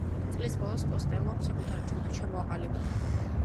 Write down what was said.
წლის ბოლოს კოსტელომ საკუთარი ჯგუფი ჩამოაყალიბა.